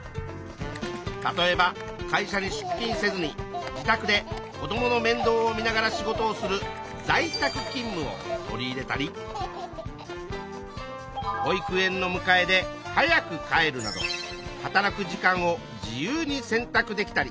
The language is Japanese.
例えば会社にしゅっきんせずに自宅で子どものめんどうを見ながら仕事をする「在宅勤務」を取り入れたり保育園のむかえで早く帰るなど働く時間を自由に選択できたり。